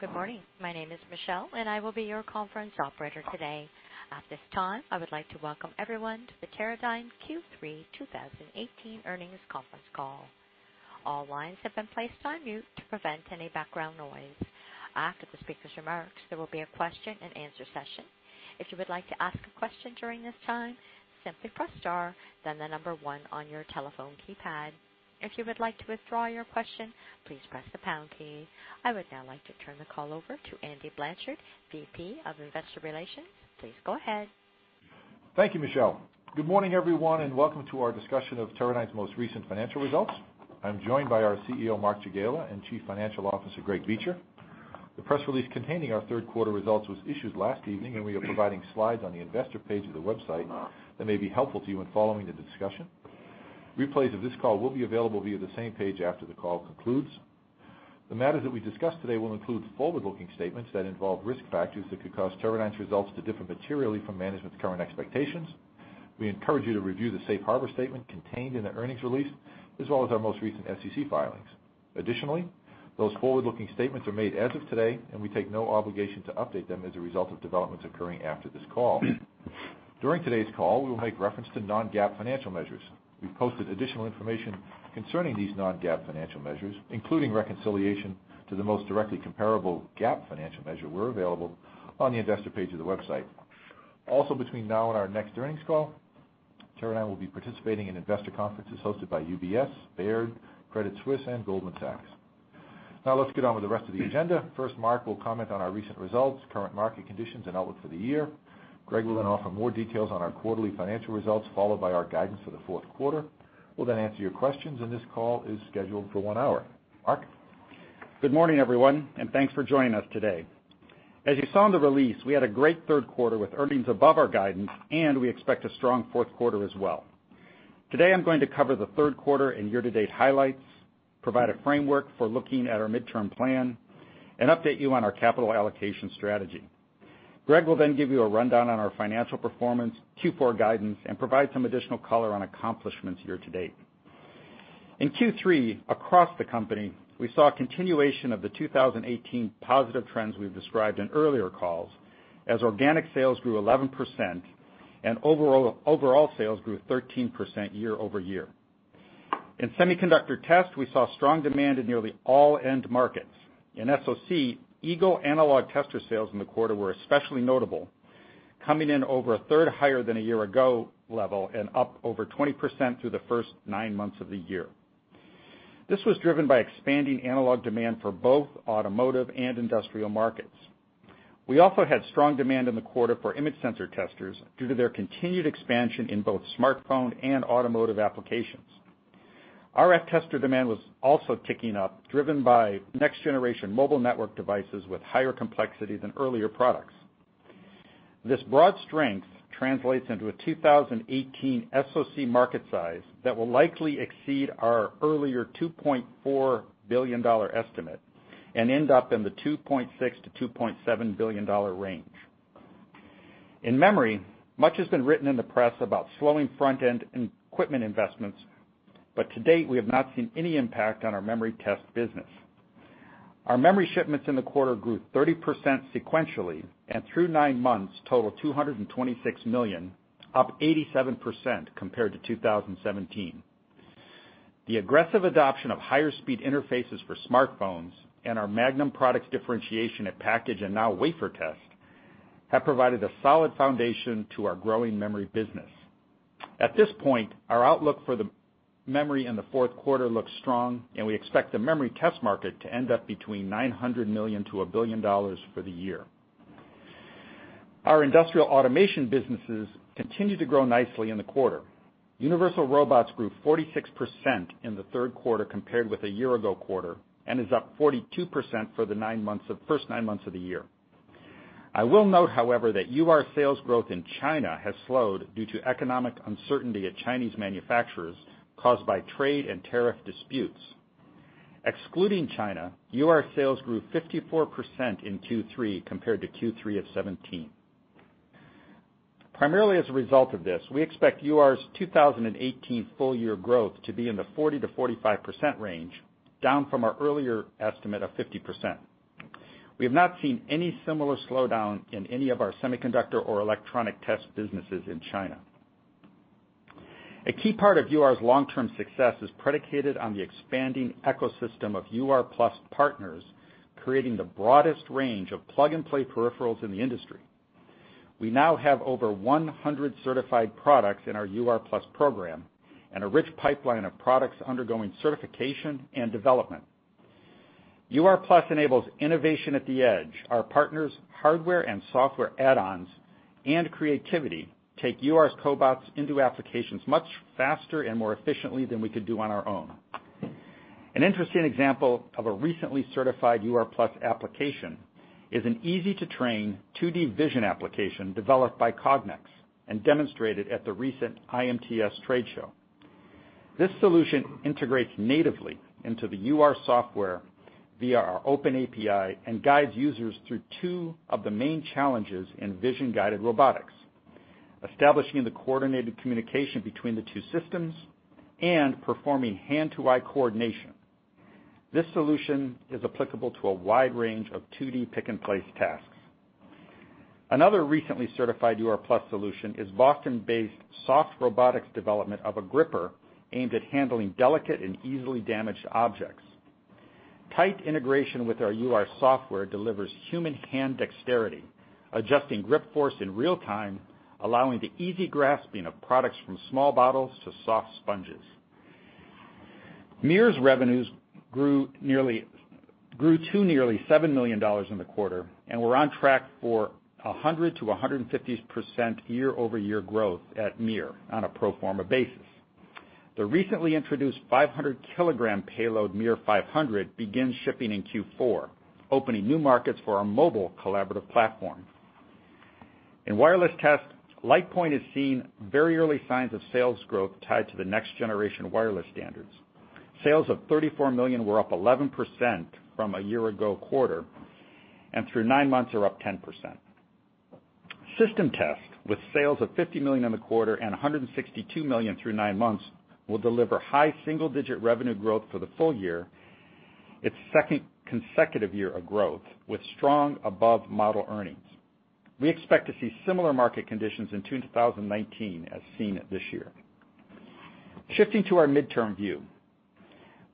Good morning. My name is Michelle, and I will be your conference operator today. At this time, I would like to welcome everyone to the Teradyne Q3 2018 earnings conference call. All lines have been placed on mute to prevent any background noise. After the speaker's remarks, there will be a question and answer session. If you would like to ask a question during this time, simply press star, then 1 on your telephone keypad. If you would like to withdraw your question, please press the pound key. I would now like to turn the call over to Andy Blanchard, VP of Investor Relations. Please go ahead. Thank you, Michelle. Good morning, everyone, and welcome to our discussion of Teradyne's most recent financial results. I'm joined by our CEO, Mark Jagiela, and Chief Financial Officer, Greg Beecher. The press release containing our third quarter results was issued last evening, we are providing slides on the investor page of the website that may be helpful to you when following the discussion. Replays of this call will be available via the same page after the call concludes. The matters that we discuss today will include forward-looking statements that involve risk factors that could cause Teradyne's results to differ materially from management's current expectations. We encourage you to review the safe harbor statement contained in the earnings release, as well as our most recent SEC filings. Additionally, those forward-looking statements are made as of today, we take no obligation to update them as a result of developments occurring after this call. During today's call, we will make reference to non-GAAP financial measures. We've posted additional information concerning these non-GAAP financial measures, including reconciliation to the most directly comparable GAAP financial measure where available on the investor page of the website. Between now and our next earnings call, Teradyne will be participating in investor conferences hosted by UBS, Baird, Credit Suisse, and Goldman Sachs. Let's get on with the rest of the agenda. First, Mark will comment on our recent results, current market conditions, and outlook for the year. Greg will then offer more details on our quarterly financial results, followed by our guidance for the fourth quarter. We'll then answer your questions, this call is scheduled for one hour. Mark? Good morning, everyone, thanks for joining us today. As you saw in the release, we had a great third quarter with earnings above our guidance, we expect a strong fourth quarter as well. Today, I'm going to cover the third quarter and year-to-date highlights, provide a framework for looking at our midterm plan, update you on our capital allocation strategy. Greg will then give you a rundown on our financial performance, Q4 guidance, provide some additional color on accomplishments year-to-date. In Q3, across the company, we saw a continuation of the 2018 positive trends we've described in earlier calls, as organic sales grew 11% and overall sales grew 13% year-over-year. In Semiconductor Test, we saw strong demand in nearly all end markets. In SOC, Eagle analog tester sales in the quarter were especially notable, coming in over a third higher than a year ago level and up over 20% through the first nine months of the year. This was driven by expanding analog demand for both automotive and industrial markets. We also had strong demand in the quarter for image sensor testers due to their continued expansion in both smartphone and automotive applications. RF tester demand was also ticking up, driven by next-generation mobile network devices with higher complexity than earlier products. This broad strength translates into a 2018 SOC market size that will likely exceed our earlier $2.4 billion estimate and end up in the $2.6 billion-$2.7 billion range. In memory, much has been written in the press about slowing front-end equipment investments, but to date, we have not seen any impact on our memory test business. Our memory shipments in the quarter grew 30% sequentially and, through nine months, total $226 million, up 87% compared to 2017. The aggressive adoption of higher speed interfaces for smartphones and our Magnum products differentiation at package and now wafer test have provided a solid foundation to our growing memory business. At this point, our outlook for the memory in the fourth quarter looks strong, and we expect the memory test market to end up between $900 million-$1 billion for the year. Our industrial automation businesses continued to grow nicely in the quarter. Universal Robots grew 46% in the third quarter compared with a year-ago quarter and is up 42% for the first nine months of the year. I will note, however, that UR sales growth in China has slowed due to economic uncertainty at Chinese manufacturers caused by trade and tariff disputes. Excluding China, UR sales grew 54% in Q3 compared to Q3 of 2017. Primarily as a result of this, we expect UR's 2018 full year growth to be in the 40%-45% range, down from our earlier estimate of 50%. We have not seen any similar slowdown in any of our Semiconductor Test or electronic test businesses in China. A key part of UR's long-term success is predicated on the expanding ecosystem of UR+ partners, creating the broadest range of plug-and-play peripherals in the industry. We now have over 100 certified products in our UR+ program and a rich pipeline of products undergoing certification and development. UR+ enables innovation at the edge. Our partners' hardware and software add-ons and creativity take UR's cobots into applications much faster and more efficiently than we could do on our own. An interesting example of a recently certified UR+ application is an easy-to-train 2D vision application developed by Cognex and demonstrated at the recent IMTS trade show. This solution integrates natively into the UR software via our open API and guides users through two of the main challenges in vision-guided robotics. Establishing the coordinated communication between the two systems and performing hand-to-eye coordination. This solution is applicable to a wide range of 2D pick-and-place tasks. Another recently certified UR+ solution is Boston-based Soft Robotics development of a gripper aimed at handling delicate and easily damaged objects. Tight integration with our UR software delivers human hand dexterity, adjusting grip force in real time, allowing the easy grasping of products from small bottles to soft sponges. MiR's revenues grew to nearly $7 million in the quarter and we're on track for 100%-150% year-over-year growth at MiR on a pro forma basis. The recently introduced 500 kilogram payload, MiR500, begins shipping in Q4, opening new markets for our mobile collaborative platform. In wireless test, LitePoint is seeing very early signs of sales growth tied to the next generation wireless standards. Sales of $34 million were up 11% from a year ago quarter, and through nine months are up 10%. System test, with sales of $50 million in the quarter and $162 million through nine months, will deliver high single-digit revenue growth for the full year. Its second consecutive year of growth, with strong above-model earnings. We expect to see similar market conditions in 2019 as seen this year. Shifting to our midterm view.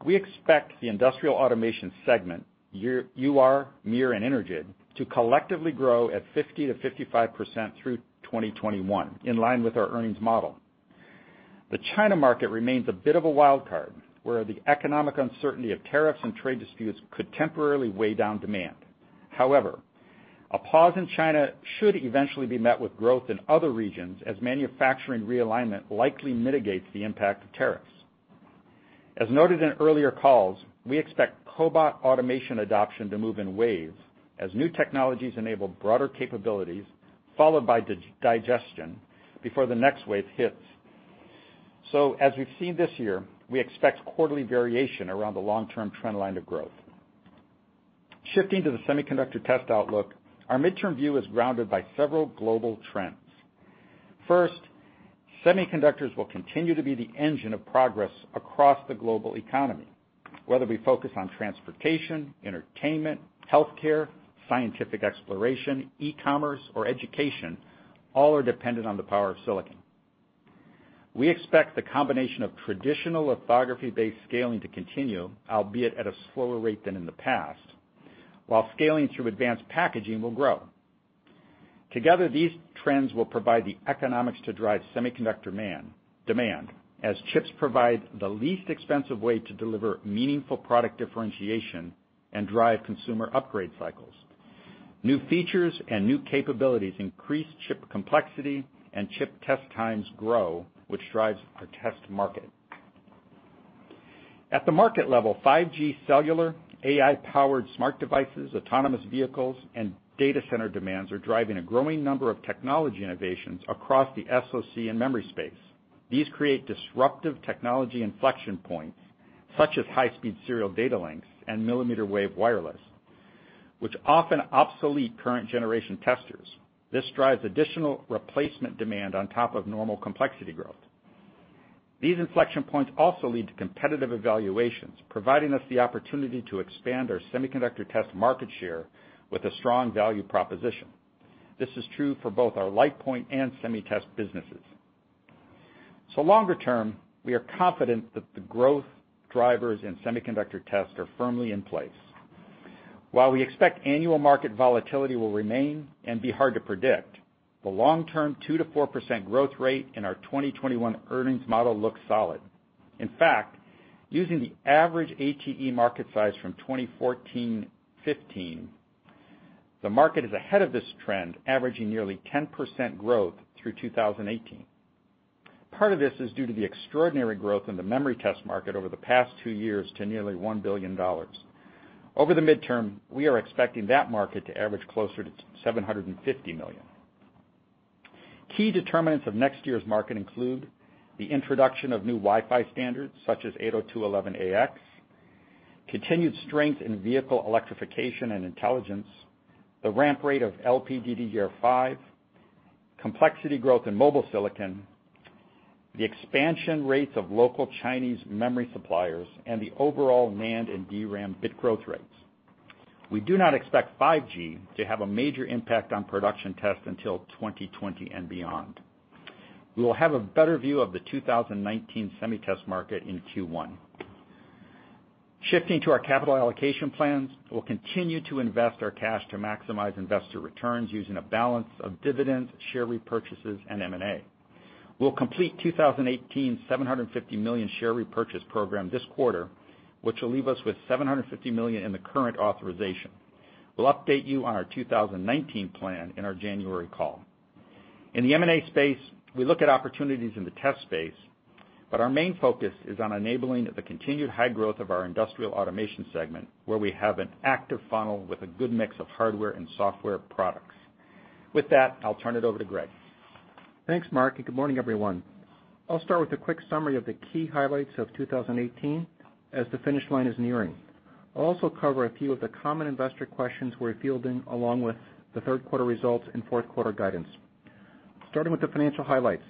We expect the industrial automation segment, UR, MiR, and Energid, to collectively grow at 50%-55% through 2021, in line with our earnings model. The China market remains a bit of a wild card, where the economic uncertainty of tariffs and trade disputes could temporarily weigh down demand. However, a pause in China should eventually be met with growth in other regions as manufacturing realignment likely mitigates the impact of tariffs. As noted in earlier calls, we expect cobot automation adoption to move in waves as new technologies enable broader capabilities, followed by digestion before the next wave hits. As we've seen this year, we expect quarterly variation around the long-term trend line of growth. Shifting to the Semiconductor Test outlook, our midterm view is grounded by several global trends. First, semiconductors will continue to be the engine of progress across the global economy. Whether we focus on transportation, entertainment, healthcare, scientific exploration, e-commerce, or education, all are dependent on the power of silicon. We expect the combination of traditional lithography-based scaling to continue, albeit at a slower rate than in the past, while scaling through advanced packaging will grow. Together, these trends will provide the economics to drive semiconductor demand, as chips provide the least expensive way to deliver meaningful product differentiation and drive consumer upgrade cycles. New features and new capabilities increase chip complexity and chip test times grow, which drives our test market. At the market level, 5G cellular, AI-powered smart devices, autonomous vehicles, and data center demands are driving a growing number of technology innovations across the SoC and memory space. These create disruptive technology inflection points, such as high-speed serial data links and millimeter-wave wireless, which often obsolete current generation testers. This drives additional replacement demand on top of normal complexity growth. These inflection points also lead to competitive evaluations, providing us the opportunity to expand our Semiconductor Test market share with a strong value proposition. This is true for both our LitePoint and SemiTest businesses. Longer term, we are confident that the growth drivers in Semiconductor Test are firmly in place. While we expect annual market volatility will remain and be hard to predict, the long-term 2%-4% growth rate in our 2021 earnings model looks solid. In fact, using the average ATE market size from 2014-2015, the market is ahead of this trend, averaging nearly 10% growth through 2018. Part of this is due to the extraordinary growth in the memory test market over the past two years to nearly $1 billion. Over the midterm, we are expecting that market to average closer to $750 million. Key determinants of next year's market include the introduction of new Wi-Fi standards, such as 802.11ax, continued strength in vehicle electrification and intelligence, the ramp rate of LPDDR5, complexity growth in mobile silicon, the expansion rates of local Chinese memory suppliers, and the overall NAND and DRAM bit growth rates. We do not expect 5G to have a major impact on production tests until 2020 and beyond. We will have a better view of the 2019 SemiTest market in Q1. Shifting to our capital allocation plans, we will continue to invest our cash to maximize investor returns using a balance of dividends, share repurchases, and M&A. We will complete 2018's $750 million share repurchase program this quarter, which will leave us with $750 million in the current authorization. We will update you on our 2019 plan in our January call. In the M&A space, we look at opportunities in the test space, but our main focus is on enabling the continued high growth of our industrial automation segment, where we have an active funnel with a good mix of hardware and software products. With that, I will turn it over to Greg. Thanks, Mark, and good morning, everyone. I will start with a quick summary of the key highlights of 2018 as the finish line is nearing. I will also cover a few of the common investor questions we are fielding, along with the third quarter results and fourth quarter guidance. Starting with the financial highlights.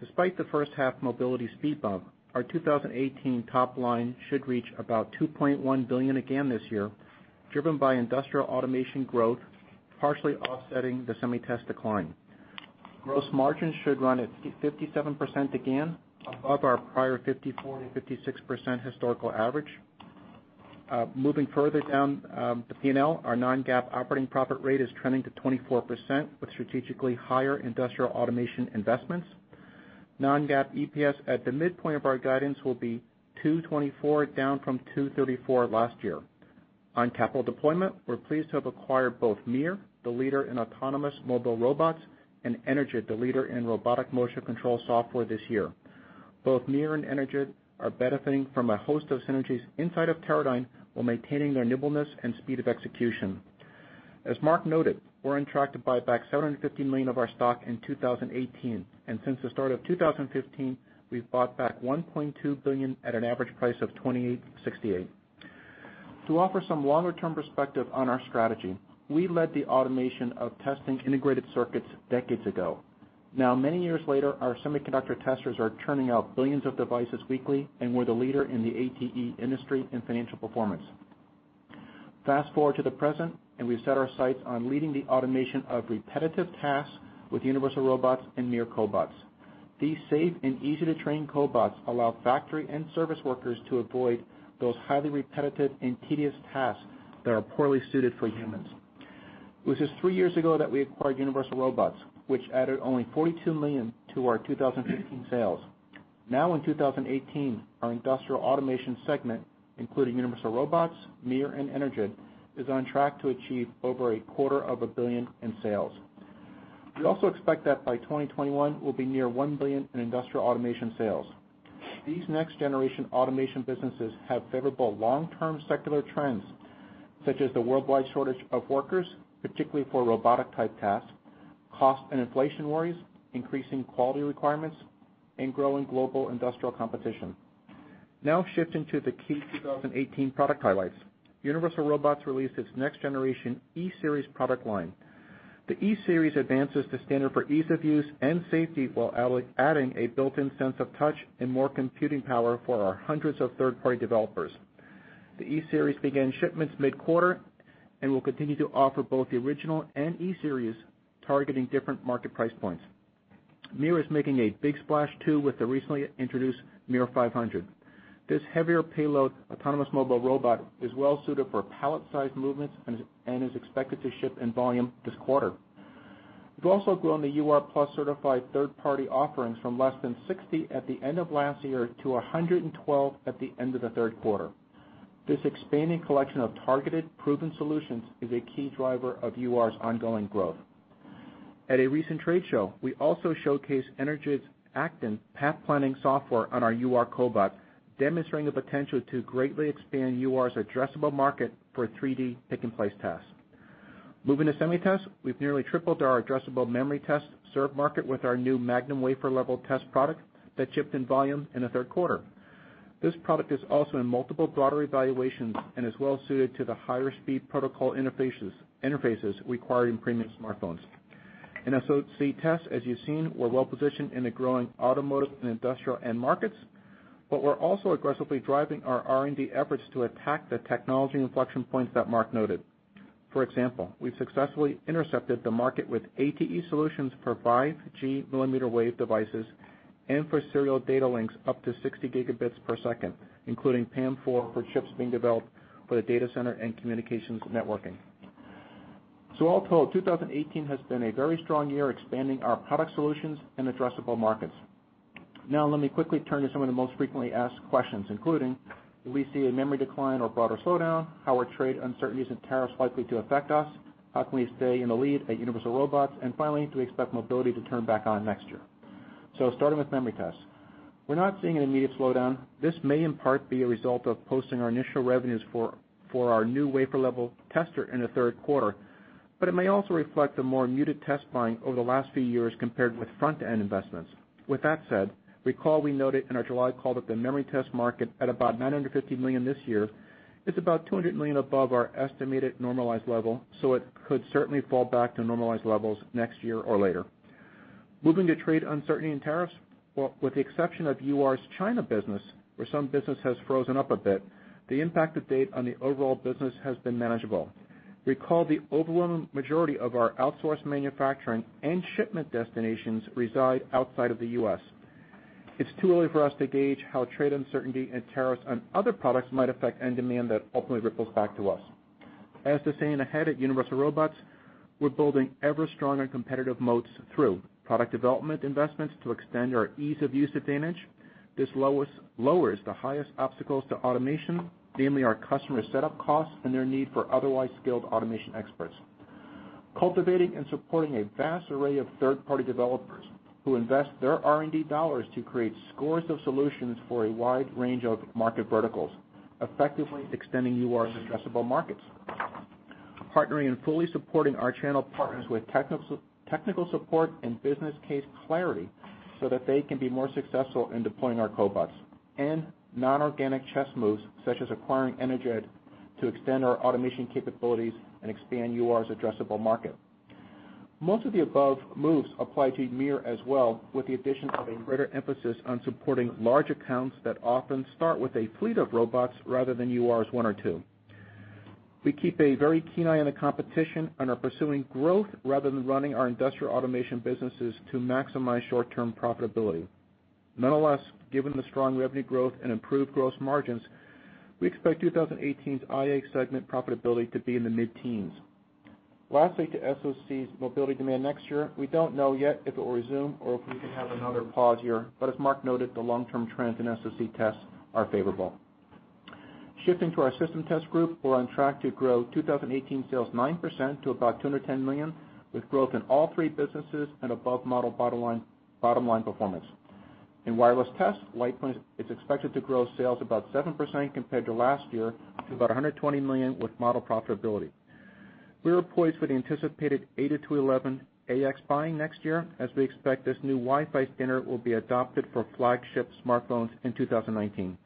Despite the first half mobility speed bump, our 2018 top line should reach about $2.1 billion again this year, driven by industrial automation growth, partially offsetting the semi test decline. Gross margin should run at 57% again, above our prior 54% and 56% historical average. Moving further down the P&L, our non-GAAP operating profit rate is trending to 24% with strategically higher industrial automation investments. Non-GAAP EPS at the midpoint of our guidance will be $2.24, down from $2.34 last year. On capital deployment, we are pleased to have acquired both MiR, the leader in autonomous mobile robots, and Energid, the leader in robotic motion control software this year. Both MiR and Energid are benefiting from a host of synergies inside of Teradyne while maintaining their nimbleness and speed of execution. As Mark noted, we are on track to buy back $750 million of our stock in 2018. Since the start of 2015, we have bought back $1.2 billion at an average price of $28.68. To offer some longer-term perspective on our strategy, we led the automation of testing integrated circuits decades ago. Now, many years later, our semiconductor testers are churning out billions of devices weekly, and we are the leader in the ATE industry in financial performance. Fast-forward to the present, we have set our sights on leading the automation of repetitive tasks with Universal Robots and MiR cobots. These safe and easy-to-train cobots allow factory and service workers to avoid those highly repetitive and tedious tasks that are poorly suited for humans. It was just three years ago that we acquired Universal Robots, which added only $42 million to our 2015 sales. In 2018, our industrial automation segment, including Universal Robots, MiR, and Energid, is on track to achieve over a quarter of a billion in sales. We also expect that by 2021, we'll be near $1 billion in industrial automation sales. These next-generation automation businesses have favorable long-term secular trends, such as the worldwide shortage of workers, particularly for robotic-type tasks, cost and inflation worries, increasing quality requirements, and growing global industrial competition. Shifting to the key 2018 product highlights. Universal Robots released its next generation e-Series product line. The e-Series advances the standard for ease of use and safety while adding a built-in sense of touch and more computing power for our hundreds of third-party developers. The e-Series began shipments mid-quarter and will continue to offer both the original and e-Series, targeting different market price points. MiR is making a big splash, too, with the recently introduced MiR500. This heavier payload autonomous mobile robot is well suited for pallet-sized movements and is expected to ship in volume this quarter. We've also grown the UR+ certified third-party offerings from less than 60 at the end of last year to 112 at the end of the third quarter. This expanding collection of targeted, proven solutions is a key driver of UR's ongoing growth. At a recent trade show, we also showcased Energid's Actin path planning software on our UR cobot, demonstrating the potential to greatly expand UR's addressable market for 3D pick-and-place tasks. Moving to Semitest, we've nearly tripled our addressable memory test served market with our new Magnum wafer-level test product that shipped in volume in the third quarter. This product is also in multiple broader evaluations and is well suited to the higher-speed protocol interfaces required in premium smartphones. In SoC test, as you've seen, we're well positioned in the growing automotive and industrial end markets, but we're also aggressively driving our R&D efforts to attack the technology inflection points that Mark noted. For example, we've successfully intercepted the market with ATE solutions for 5G millimeter wave devices and for serial data links up to 60 gigabits per second, including PAM4 for chips being developed for the data center and communications networking. All told, 2018 has been a very strong year expanding our product solutions and addressable markets. Let me quickly turn to some of the most frequently asked questions, including, do we see a memory decline or broader slowdown? How are trade uncertainties and tariffs likely to affect us? How can we stay in the lead at Universal Robots? And finally, do we expect mobility to turn back on next year? Starting with memory tests. We're not seeing an immediate slowdown. This may in part be a result of posting our initial revenues for our new wafer level tester in the third quarter, but it may also reflect the more muted test buying over the last few years compared with front-end investments. With that said, recall we noted in our July call that the memory test market at about $950 million this year is about $200 million above our estimated normalized level, so it could certainly fall back to normalized levels next year or later. Moving to trade uncertainty and tariffs. Well, with the exception of UR's China business, where some business has frozen up a bit, the impact to date on the overall business has been manageable. Recall the overwhelming majority of our outsourced manufacturing and shipment destinations reside outside of the U.S. It's too early for us to gauge how trade uncertainty and tariffs on other products might affect end demand that ultimately ripples back to us. As to staying ahead at Universal Robots, we're building ever stronger competitive moats through product development investments to extend our ease-of-use advantage. This lowers the highest obstacles to automation, namely our customer setup costs and their need for otherwise skilled automation experts. Cultivating and supporting a vast array of third-party developers who invest their R&D dollars to create scores of solutions for a wide range of market verticals, effectively extending UR's addressable markets. Partnering and fully supporting our channel partners with technical support and business case clarity so that they can be more successful in deploying our cobots. Non-organic chess moves, such as acquiring Energid to extend our automation capabilities and expand UR's addressable market. Most of the above moves apply to MiR as well, with the addition of a greater emphasis on supporting large accounts that often start with a fleet of robots rather than UR's one or two. We keep a very keen eye on the competition and are pursuing growth rather than running our industrial automation businesses to maximize short-term profitability. Nonetheless, given the strong revenue growth and improved growth margins, we expect 2018's IA segment profitability to be in the mid-teens. Lastly, to SOC's mobility demand next year, we don't know yet if it will resume or if we could have another pause here. But as Mark noted, the long-term trends in SOC tests are favorable. Shifting to our system test group, we're on track to grow 2018 sales 9% to about $210 million, with growth in all three businesses and above model bottom line performance. In wireless tests, LitePoint is expected to grow sales about 7% compared to last year, to about $120 million with model profitability. We are poised for the anticipated 802.11ax buying next year, as we expect this new Wi-Fi standard will be adopted for flagship smartphones in 2019.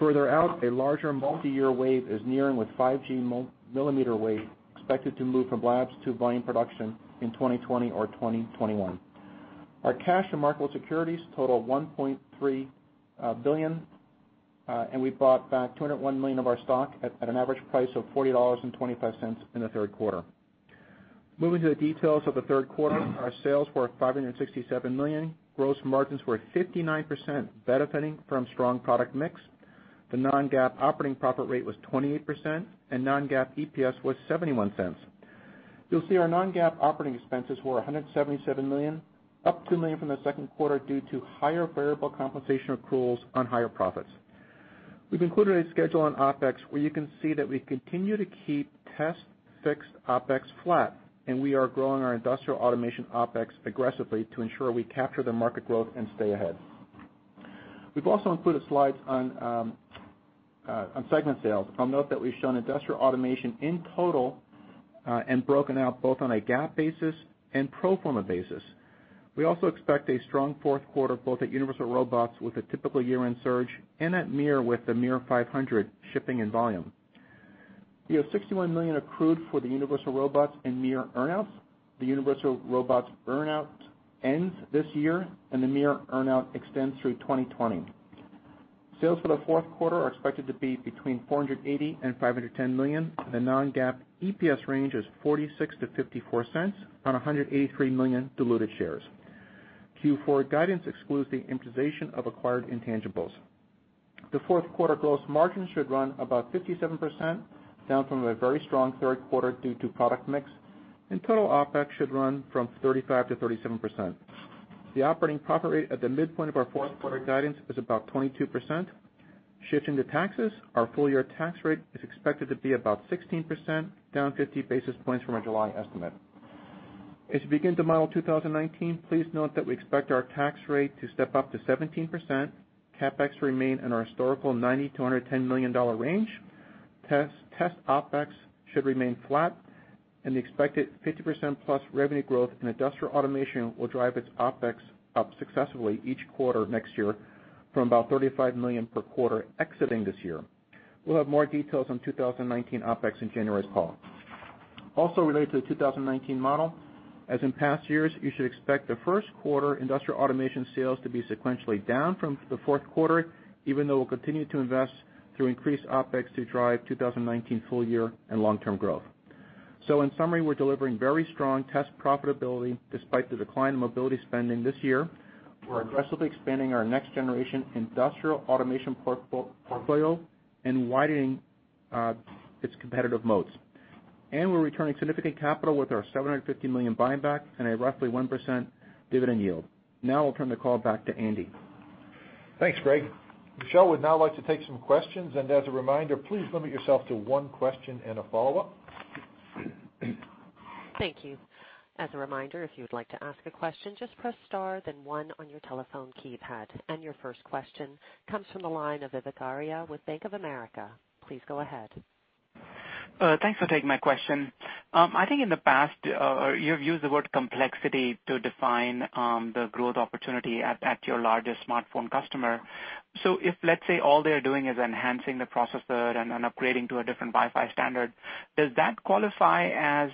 Further out, a larger multi-year wave is nearing with 5G millimeter wave expected to move from labs to volume production in 2020 or 2021. Our cash and marketable securities total $1.3 billion, and we bought back $201 million of our stock at an average price of $40.25 in the third quarter. Moving to the details of the third quarter, our sales were $567 million. Gross margins were 59%, benefiting from strong product mix. The non-GAAP operating profit rate was 28%, and non-GAAP EPS was $0.71. You'll see our non-GAAP operating expenses were $177 million, up $2 million from the second quarter due to higher variable compensation accruals on higher profits. We've included a schedule on OpEx where you can see that we continue to keep Test fixed OpEx flat, and we are growing our Industrial Automation OpEx aggressively to ensure we capture the market growth and stay ahead. We've also included slides on segment sales. I'll note that we've shown Industrial Automation in total, and broken out both on a GAAP basis and pro forma basis. We also expect a strong fourth quarter, both at Universal Robots with a typical year-end surge, and at MiR with the MiR500 shipping in volume. We have $61 million accrued for the Universal Robots and MiR earn-outs. The Universal Robots earn-out ends this year, and the MiR earn-out extends through 2020. Sales for the fourth quarter are expected to be between $480 million and $510 million. The non-GAAP EPS range is $0.46 to $0.54 on 183 million diluted shares. Q4 guidance excludes the amortization of acquired intangibles. The fourth-quarter gross margins should run about 57%, down from a very strong third quarter due to product mix, and total OpEx should run from 35%-37%. The operating profit rate at the midpoint of our fourth quarter guidance is about 22%. Shifting to taxes, our full year tax rate is expected to be about 16%, down 50 basis points from our July estimate. As you begin to model 2019, please note that we expect our tax rate to step up to 17%, CapEx remain in our historical $90 million-$110 million range. Test OpEx should remain flat, the expected 50%+ revenue growth in Industrial Automation will drive its OpEx up successively each quarter next year from about $35 million per quarter exiting this year. We'll have more details on 2019 OpEx in January's call. Also related to the 2019 model, as in past years, you should expect the first quarter Industrial Automation sales to be sequentially down from the fourth quarter, even though we'll continue to invest through increased OpEx to drive 2019 full year and long-term growth. In summary, we're delivering very strong Test profitability despite the decline in mobility spending this year. We're aggressively expanding our next-generation Industrial Automation portfolio and widening its competitive moats. We're returning significant capital with our $750 million buyback and a roughly 1% dividend yield. Now I'll turn the call back to Andy. Thanks, Greg. Michelle would now like to take some questions. As a reminder, please limit yourself to one question and a follow-up. Thank you. As a reminder, if you would like to ask a question, just press star then one on your telephone keypad. Your first question comes from the line of Vivek Arya with Bank of America. Please go ahead. Thanks for taking my question. I think in the past, you've used the word complexity to define the growth opportunity at your largest smartphone customer. If, let's say, all they're doing is enhancing the processor and upgrading to a different Wi-Fi standard, does that qualify as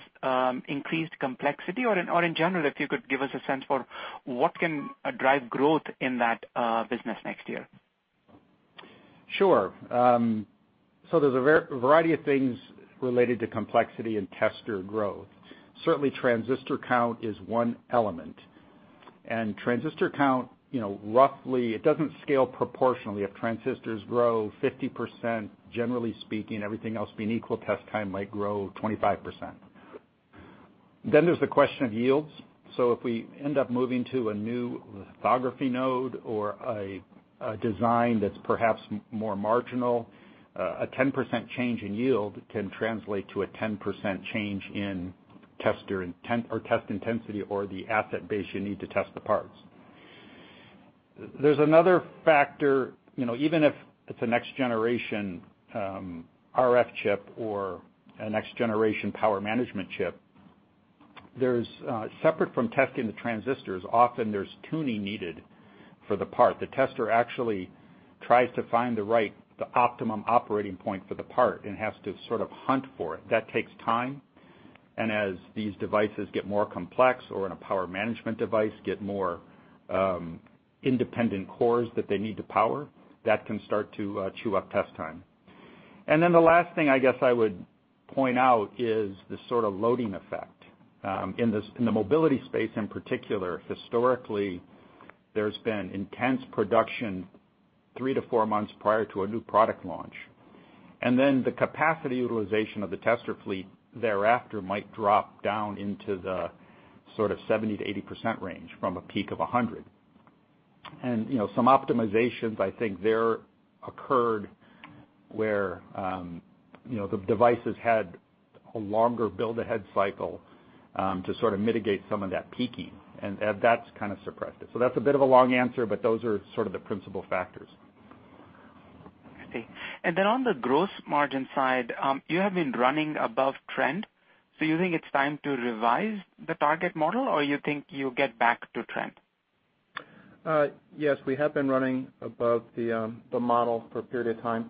increased complexity? Or in general, if you could give us a sense for what can drive growth in that business next year? Sure. There's a variety of things related to complexity and tester growth. Certainly, transistor count is one element. Transistor count, roughly, it doesn't scale proportionally. If transistors grow 50%, generally speaking, everything else being equal, test time might grow 25%. There's the question of yields. If we end up moving to a new lithography node or a design that's perhaps more marginal, a 10% change in yield can translate to a 10% change in test intensity or the asset base you need to test the parts. There's another factor, even if it's a next generation RF chip or a next generation power management chip, separate from testing the transistors, often there's tuning needed for the part. The tester actually tries to find the optimum operating point for the part and has to sort of hunt for it. That takes time, as these devices get more complex, or in a power management device, get more independent cores that they need to power, that can start to chew up test time. Then the last thing I guess I would point out is the sort of loading effect. In the mobility space in particular, historically, there's been intense production three to four months prior to a new product launch, then the capacity utilization of the tester fleet thereafter might drop down into the 70%-80% range from a peak of 100. Some optimizations, I think there occurred where the devices had a longer build-ahead cycle to sort of mitigate some of that peaking, and that's kind of suppressed it. That's a bit of a long answer, but those are sort of the principal factors. I see. On the gross margin side, you have been running above trend, you think it's time to revise the target model, or you think you'll get back to trend? Yes, we have been running above the model for a period of time.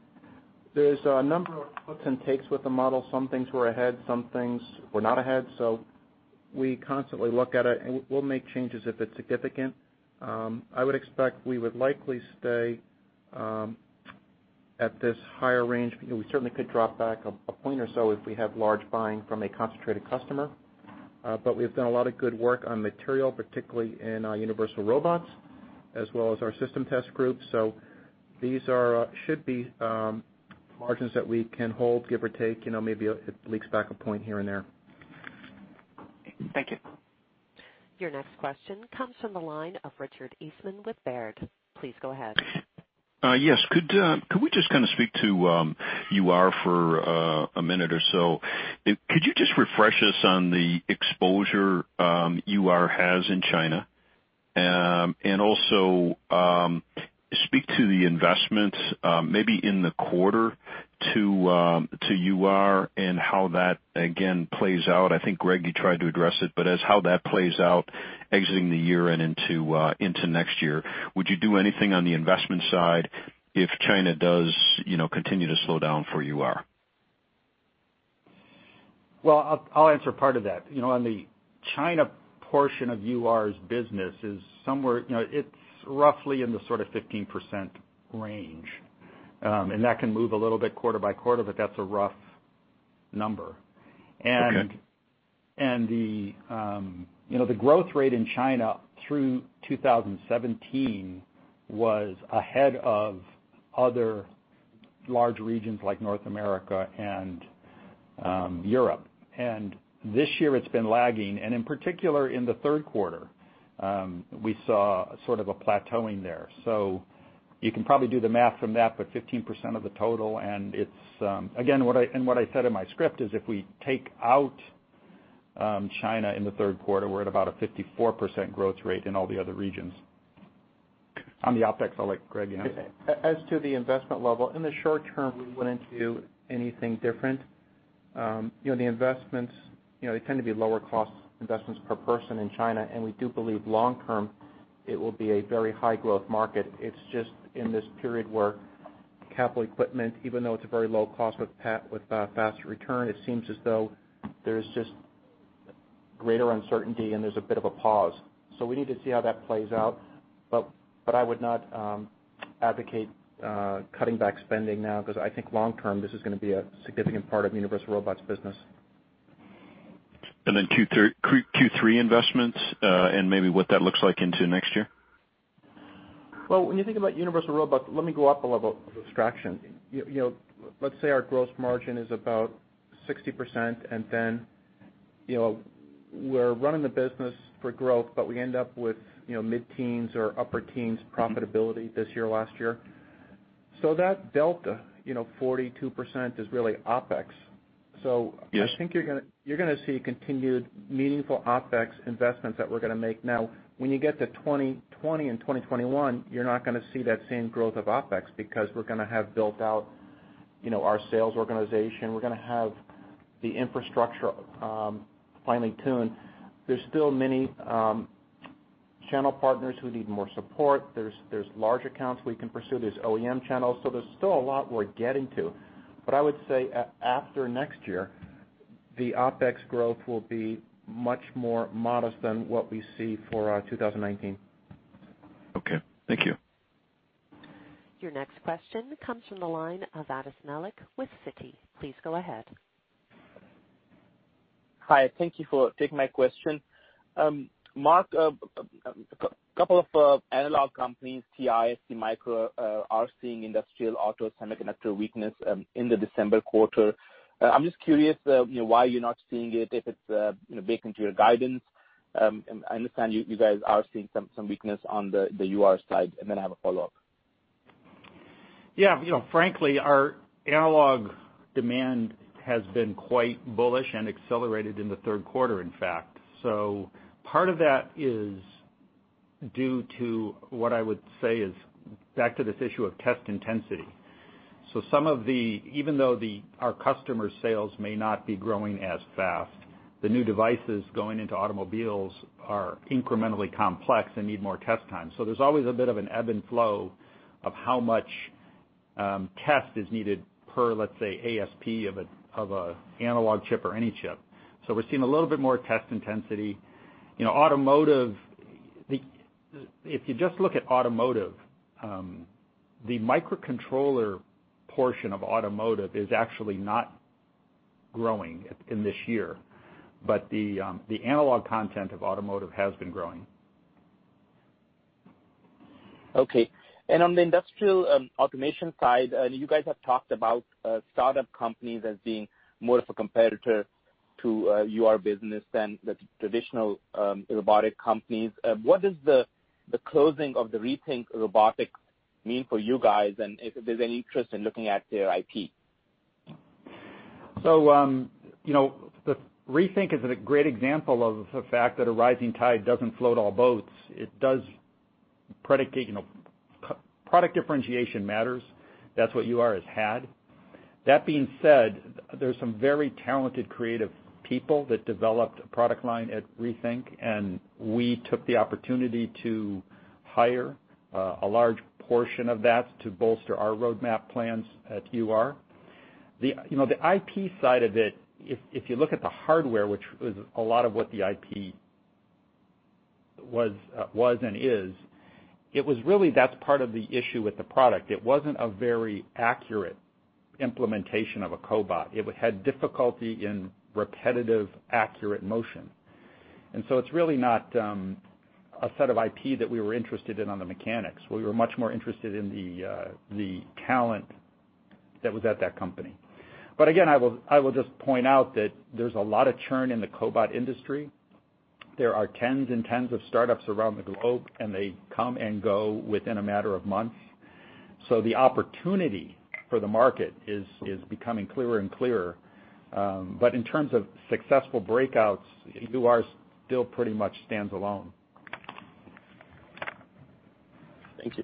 There's a number of gives and takes with the model. Some things we're ahead, some things we're not ahead, we constantly look at it, and we'll make changes if it's significant. I would expect we would likely stay at this higher range. We certainly could drop back a point or so if we have large buying from a concentrated customer. We've done a lot of good work on material, particularly in our Universal Robots, as well as our system test group. These should be margins that we can hold, give or take, maybe it leaks back a point here and there. Thank you. Your next question comes from the line of Richard Eastman with Baird. Please go ahead. Yes. Could we just kind of speak to UR for a minute or so? Could you just refresh us on the exposure UR has in China? Speak to the investments, maybe in the quarter to UR and how that, again, plays out. I think, Greg, you tried to address it, but as how that plays out exiting the year and into next year. Would you do anything on the investment side if China does continue to slow down for UR? Well, I'll answer part of that. On the China portion of UR's business it's roughly in the sort of 15% range. That can move a little bit quarter by quarter, but that's a rough number. Okay. The growth rate in China through 2017 was ahead of other large regions like North America and Europe. This year it's been lagging, and in particular, in the third quarter, we saw sort of a plateauing there. You can probably do the math from that, but 15% of the total, and what I said in my script is if we take out China in the third quarter, we're at about a 54% growth rate in all the other regions. On the OpEx, I'll let Greg answer. As to the investment level, in the short term, we wouldn't do anything different. The investments, they tend to be lower cost investments per person in China, and we do believe long-term it will be a very high-growth market. It's just in this period where capital equipment, even though it's a very low cost with faster return, it seems as though there's just greater uncertainty and there's a bit of a pause. We need to see how that plays out. I would not advocate cutting back spending now because I think long term, this is going to be a significant part of Universal Robots' business. Q3 investments, and maybe what that looks like into next year? Well, when you think about Universal Robots, let me go up a level of abstraction. Let's say our gross margin is about 60%, we're running the business for growth, we end up with mid-teens or upper teens profitability this year, last year. That delta, 42% is really OpEx. Yes. I think you're going to see continued meaningful OpEx investments that we're going to make. Now, when you get to 2020 and 2021, you're not going to see that same growth of OpEx because we're going to have built out our sales organization. We're going to have the infrastructure finely tuned. There's still many channel partners who need more support. There's large accounts we can pursue. There's OEM channels. There's still a lot we're getting to. I would say after next year, the OpEx growth will be much more modest than what we see for 2019. Okay. Thank you. Your next question comes from the line of Atif Malik with Citi. Please go ahead. Hi, thank you for taking my question. Mark, a couple of analog companies, TI, STMicro are seeing industrial, auto, Semiconductor weakness in the December quarter. I'm just curious why you're not seeing it, if it's baked into your guidance. I understand you guys are seeing some weakness on the UR side, I have a follow-up. Yeah. Frankly, our analog demand has been quite bullish and accelerated in the third quarter, in fact. Part of that is due to what I would say is back to this issue of test intensity. Even though our customer sales may not be growing as fast, the new devices going into automobiles are incrementally complex and need more test time. There's always a bit of an ebb and flow of how much test is needed per, let's say, ASP of an analog chip or any chip. We're seeing a little bit more test intensity. If you just look at automotive, the microcontroller portion of automotive is actually not growing in this year, the analog content of automotive has been growing. Okay. On the industrial automation side, you guys have talked about startup companies as being more of a competitor to your business than the traditional robotic companies. What does the closing of Rethink Robotics mean for you guys, and if there's any interest in looking at their IP? Rethink is a great example of the fact that a rising tide doesn't float all boats. Product differentiation matters. That's what UR has had. That being said, there's some very talented, creative people that developed a product line at Rethink, and we took the opportunity to hire a large portion of that to bolster our roadmap plans at UR. The IP side of it, if you look at the hardware, which was a lot of what the IP was and is, it was really, that's part of the issue with the product. It wasn't a very accurate implementation of a cobot. It had difficulty in repetitive, accurate motion. It's really not a set of IP that we were interested in on the mechanics. We were much more interested in the talent that was at that company. Again, I will just point out that there's a lot of churn in the cobot industry. There are tens and tens of startups around the globe, and they come and go within a matter of months. The opportunity for the market is becoming clearer and clearer. In terms of successful breakouts, UR still pretty much stands alone. Thank you.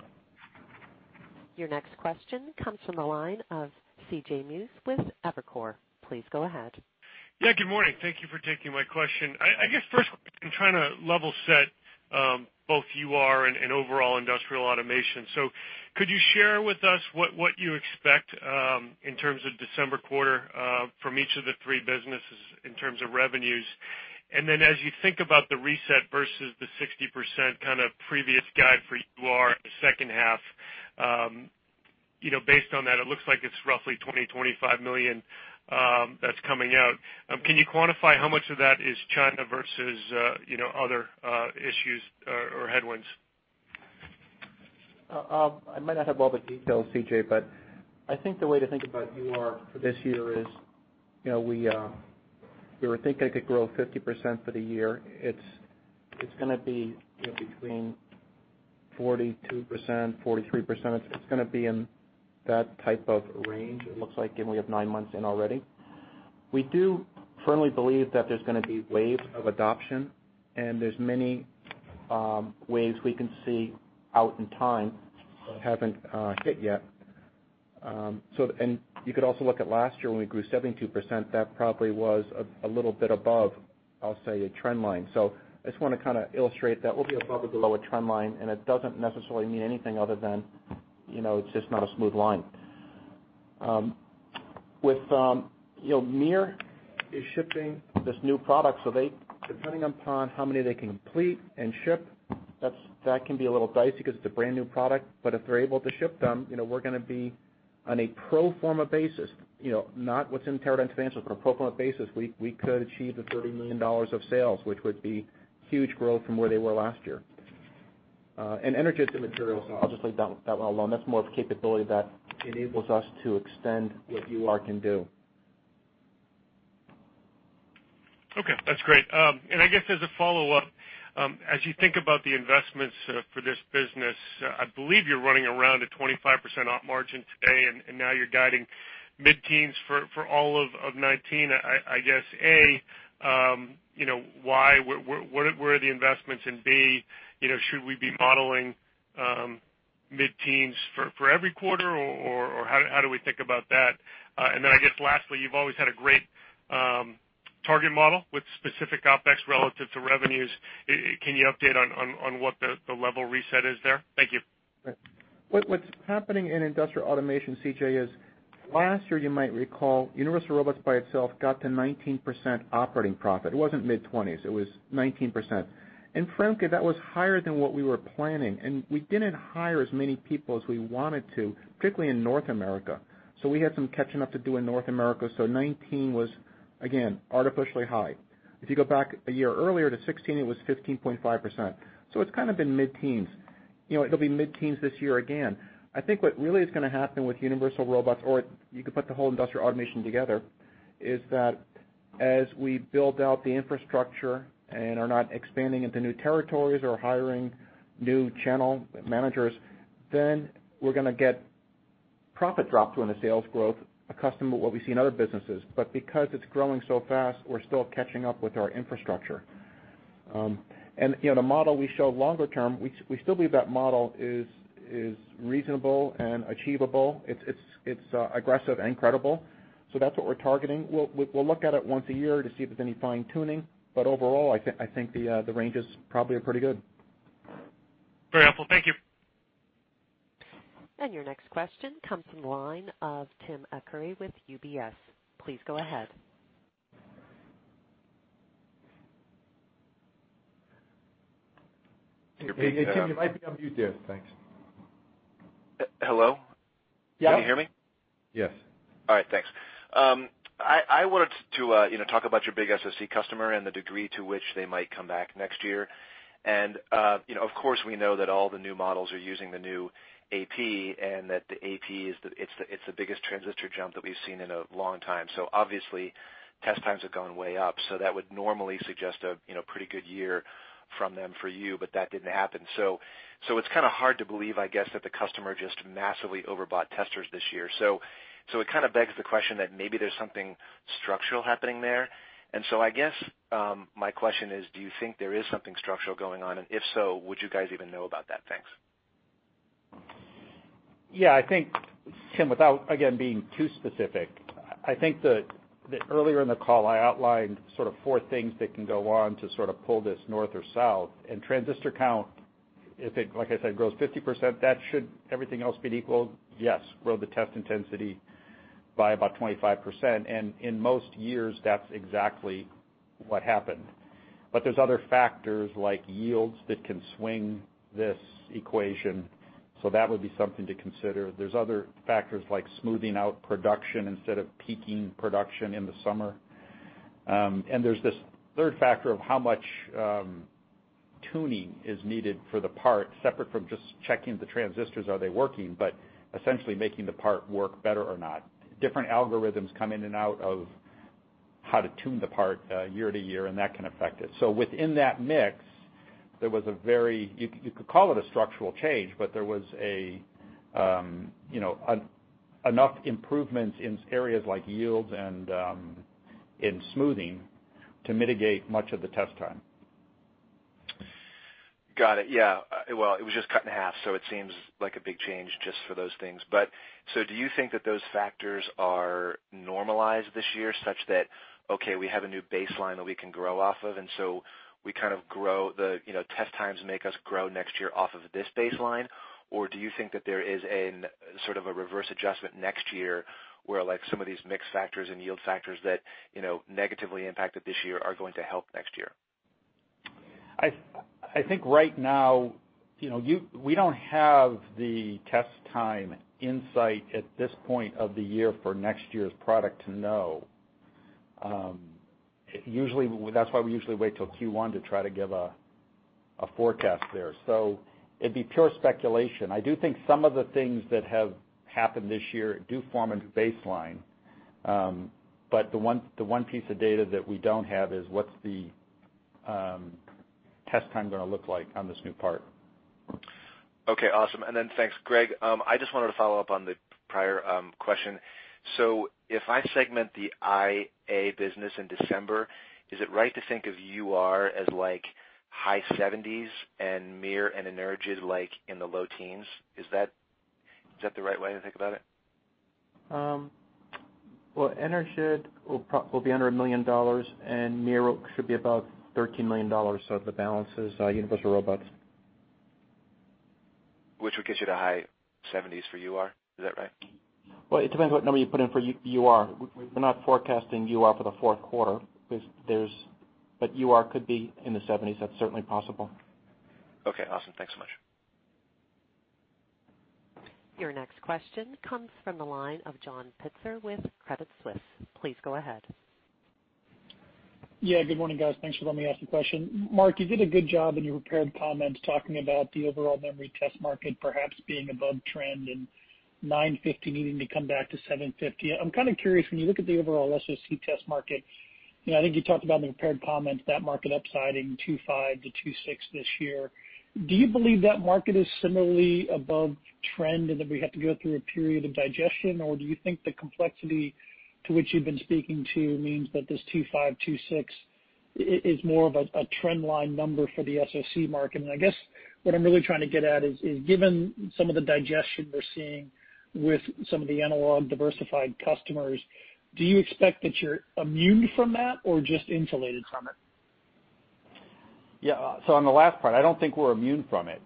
Your next question comes from the line of C.J. Muse with Evercore. Please go ahead. Yeah, good morning. Thank you for taking my question. I guess first, I'm trying to level set both UR and overall Industrial Automation. Could you share with us what you expect in terms of December quarter from each of the three businesses in terms of revenues? As you think about the reset versus the 60% kind of previous guide for UR in the second half, based on that, it looks like it's roughly $20 million-$25 million that's coming out. Can you quantify how much of that is China versus other issues or headwinds? I might not have all the details, C.J., I think the way to think about UR for this year is, we were thinking it could grow 50% for the year. It's going to be between 42%-43%. It's going to be in that type of range, it looks like, we have nine months in already. We do firmly believe that there's going to be waves of adoption, there's many waves we can see out in time that haven't hit yet. You could also look at last year when we grew 72%, that probably was a little bit above, I'll say, a trend line. I just want to kind of illustrate that we'll be above or below a trend line, and it doesn't necessarily mean anything other than it's just not a smooth line. MiR is shipping this new product, depending upon how many they can complete and ship, that can be a little dicey because it's a brand-new product. If they're able to ship them, we're going to be on a pro forma basis, not what's in Teradyne's financial, but pro forma basis, we could achieve the $30 million of sales, which would be huge growth from where they were last year. Energid, I'll just leave that one alone. That's more of a capability that enables us to extend what UR can do. That's great. I guess as a follow-up, as you think about the investments for this business, I believe you're running around a 25% op margin today, now you're guiding mid-teens for all of 2019. I guess, A, why? Where are the investments? B, should we be modeling mid-teens for every quarter, or how do we think about that? Lastly, you've always had a great target model with specific OpEx relative to revenues. Can you update on what the level reset is there? Thank you. What's happening in Industrial Automation, C.J., is last year you might recall, Universal Robots by itself got to 19% operating profit. It wasn't mid-20s, it was 19%. Frankly, that was higher than what we were planning. We didn't hire as many people as we wanted to, particularly in North America. We had some catching up to do in North America. 2019 was, again, artificially high. If you go back a year earlier to 2016, it was 15.5%. It's kind of been mid-teens. It'll be mid-teens this year again. I think what really is going to happen with Universal Robots, or you could put the whole Industrial Automation together is that as we build out the infrastructure and are not expanding into new territories or hiring new channel managers, then we're going to get profit drop from the sales growth, accustomed to what we see in other businesses. Because it's growing so fast, we're still catching up with our infrastructure. The model we show longer term, we still believe that model is reasonable and achievable. It's aggressive and credible. That's what we're targeting. We'll look at it once a year to see if there's any fine-tuning. Overall, I think the range is probably pretty good. Very helpful. Thank you. Your next question comes from the line of Timothy Arcuri with UBS. Please go ahead. Tim, you might be on mute there. Thanks. Hello? Yeah. Can you hear me? Yes. All right. Thanks. I wanted to talk about your big SOC customer and the degree to which they might come back next year. Of course, we know that all the new models are using the new AP, and that the AP, it's the biggest transistor jump that we've seen in a long time. Obviously, test times have gone way up. That would normally suggest a pretty good year from them for you, but that didn't happen. It's kind of hard to believe, I guess, that the customer just massively overbought testers this year. It kind of begs the question that maybe there's something structural happening there. I guess, my question is, do you think there is something structural going on, and if so, would you guys even know about that? Thanks. Tim, without, again, being too specific, I think that earlier in the call, I outlined sort of four things that can go on to sort of pull this north or south. Transistor count, if it, like I said, grows 50%, that should, everything else being equal, yes, grow the test intensity by about 25%. In most years, that's exactly what happened. There's other factors like yields that can swing this equation, so that would be something to consider. There's other factors like smoothing out production instead of peaking production in the summer. There's this third factor of how much tuning is needed for the part, separate from just checking the transistors, are they working, but essentially making the part work better or not. Different algorithms come in and out of how to tune the part year to year, and that can affect it. Within that mix, you could call it a structural change, but there was enough improvements in areas like yields and in smoothing to mitigate much of the test time. Got it. Yeah. Well, it was just cut in half, so it seems like a big change just for those things. Do you think that those factors are normalized this year, such that, okay, we have a new baseline that we can grow off of, test times make us grow next year off of this baseline? Or do you think that there is a sort of a reverse adjustment next year where some of these mix factors and yield factors that negatively impacted this year are going to help next year? I think right now, we don't have the test time insight at this point of the year for next year's product to know. That's why we usually wait till Q1 to try to give a forecast there. It'd be pure speculation. I do think some of the things that have happened this year do form a baseline. The one piece of data that we don't have is what's the test time going to look like on this new part. Okay, awesome. Thanks, Greg. I just wanted to follow up on the prior question. If I segment the IA business in December, is it right to think of UR as high 70s and MiR and Energid in the low teens? Is that the right way to think about it? Energid will be under $1 million, and MiR should be about $13 million. The balance is Universal Robots. Which would get you to high 70s for UR. Is that right? It depends what number you put in for UR. We're not forecasting UR for the fourth quarter. UR could be in the 70s. That's certainly possible. Okay, awesome. Thanks so much. Your next question comes from the line of John Pitzer with Credit Suisse. Please go ahead. Good morning, guys. Thanks for letting me ask a question. Mark, you did a good job in your prepared comments talking about the overall memory test market perhaps being above trend and 950 needing to come back to 750. I'm kind of curious, when you look at the overall SoC test market, I think you talked about in the prepared comments that market upsiding $2.5 billion to $2.6 billion this year. Do you believe that market is similarly above trend and that we have to go through a period of digestion, or do you think the complexity to which you've been speaking to means that this $2.5 billion, $2.6 billion is more of a trend line number for the SoC market? I guess what I'm really trying to get at is, given some of the digestion we're seeing with some of the analog diversified customers, do you expect that you're immune from that or just insulated from it? Yeah. On the last part, I don't think we're immune from it.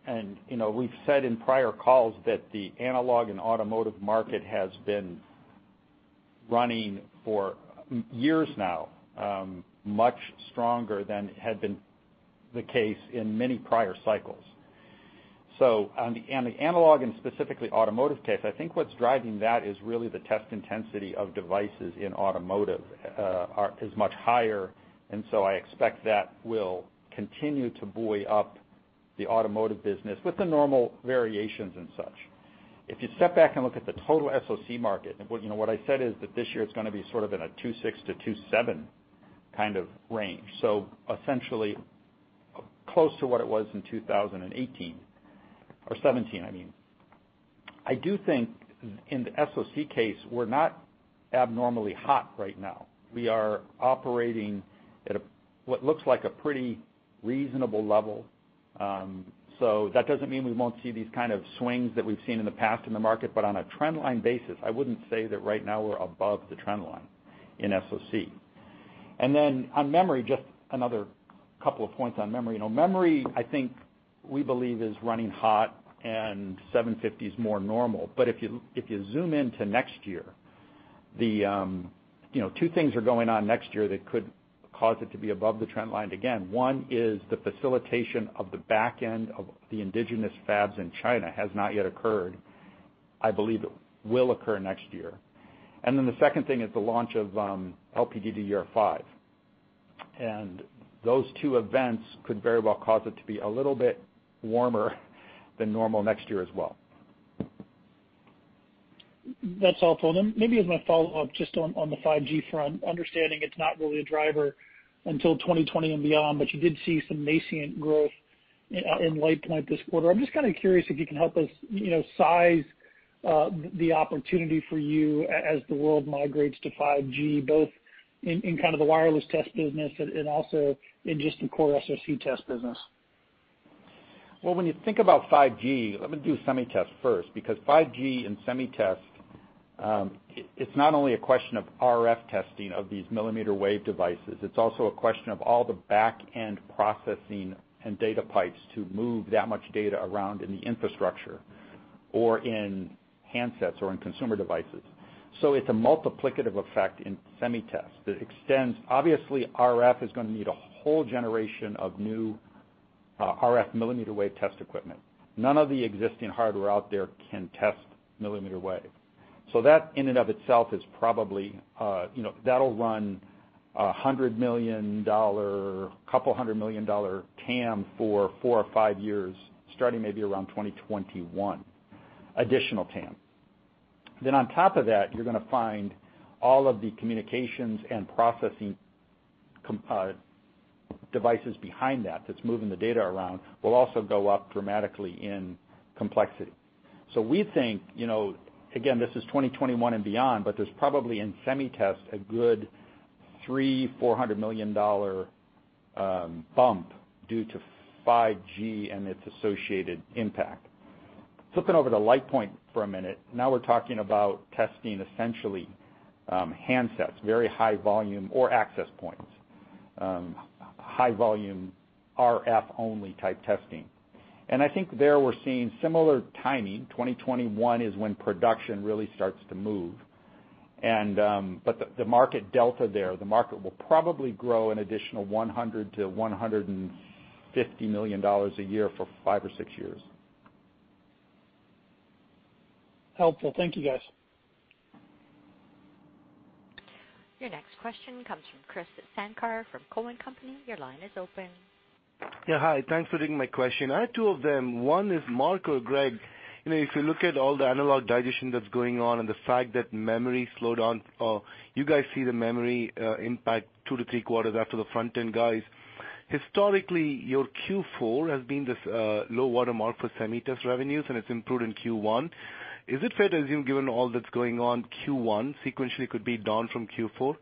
We've said in prior calls that the analog and automotive market has been running for years now much stronger than had been the case in many prior cycles. On the analog and specifically automotive case, I think what's driving that is really the test intensity of devices in automotive is much higher. I expect that will continue to buoy up the automotive business with the normal variations and such. If you step back and look at the total SOC market, what I said is that this year it's going to be sort of in a 26-27 kind of range. Essentially, close to what it was in 2018 or 2017, I mean. I do think in the SOC case, we're not abnormally hot right now. We are operating at what looks like a pretty reasonable level. That doesn't mean we won't see these kind of swings that we've seen in the past in the market, but on a trend line basis, I wouldn't say that right now we're above the trend line in SOC. On memory, just another couple of points on memory. Memory, I think, we believe is running hot and 750 is more normal. If you zoom in to next year, two things are going on next year that could cause it to be above the trend line again. One is the facilitation of the back end of the indigenous fabs in China has not yet occurred. I believe it will occur next year. The second thing is the launch of LPDDR5. Those two events could very well cause it to be a little bit warmer than normal next year as well. That's all. Maybe as my follow-up, just on the 5G front, understanding it's not really a driver until 2020 and beyond, but you did see some nascent growth in LitePoint this quarter. I'm just kind of curious if you can help us size the opportunity for you as the world migrates to 5G, both in kind of the wireless test business and also in just the core SOC test business. When you think about 5G, let me do SemiTest first, because 5G and SemiTest, it's not only a question of RF testing of these millimeter wave devices, it's also a question of all the back-end processing and data pipes to move that much data around in the infrastructure or in handsets or in consumer devices. It's a multiplicative effect in SemiTest that extends. Obviously, RF is going to need a whole generation of new RF millimeter wave test equipment. None of the existing hardware out there can test millimeter wave. That in and of itself is probably, that will run $100 million, couple hundred million dollar TAM for four or five years, starting maybe around 2021, additional TAM. On top of that, you're going to find all of the communications and processing devices behind that's moving the data around, will also go up dramatically in complexity. We think, again, this is 2021 and beyond, but there's probably in SemiTest, a good three, $400 million bump due to 5G and its associated impact. Flipping over to LitePoint for a minute, now we're talking about testing essentially handsets, very high volume or access points, high volume RF-only type testing. I think there we're seeing similar timing. 2021 is when production really starts to move. The market delta there, the market will probably grow an additional $100 million-$150 million a year for five or six years. Helpful. Thank you, guys. Your next question comes from Krish Sankar from Cowen and Company. Your line is open. Yeah, hi. Thanks for taking my question. I have two of them. One is Mark or Greg, if you look at all the analog digestion that's going on and the fact that memory slowed on, you guys see the memory impact two to three quarters after the front-end guys. Historically, your Q4 has been this low water mark for SemiTest revenues, and it's improved in Q1. Is it fair to assume, given all that's going on, Q1 sequentially could be down from Q4?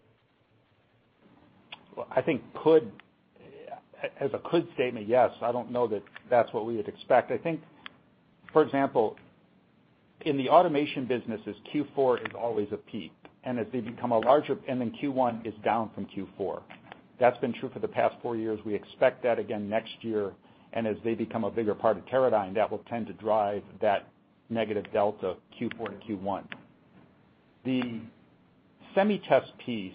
Well, I think could, as a could statement, yes. I don't know that that's what we would expect. I think, for example, in the automation businesses, Q4 is always a peak, and then Q1 is down from Q4. That's been true for the past four years. We expect that again next year, and as they become a bigger part of Teradyne, that will tend to drive that negative delta Q4 to Q1. The SemiTest piece,